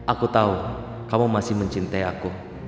aku tahu kamu masih mencintai aku